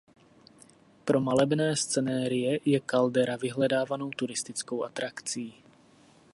Pro malebné scenérie je kaldera vyhledávanou turistickou atrakcí.